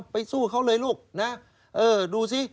ไปสู้เขาเลยลูกนะเออดูสิ